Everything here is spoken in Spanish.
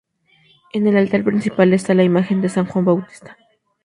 En el altar principal está la imagen de San Juan Bautista.